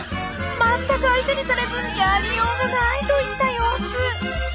まったく相手にされずやりようがないといった様子。